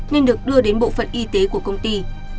nên được đưa đến bộ phận y tế của công ty